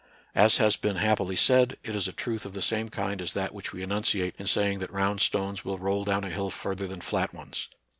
As has been hap pily said, it is a truth of the same kind as that which we enunciate in saying that round stones will roll down a hill further than flat ones.